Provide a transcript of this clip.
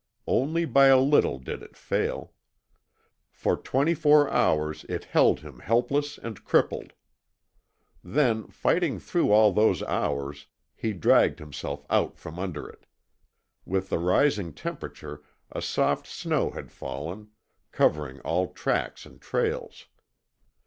Only by a little did it fail. For twenty four hours it held him helpless and crippled. Then, fighting through all those hours, he dragged himself out from under it. With the rising temperature a soft snow had fallen, covering all tracks and trails.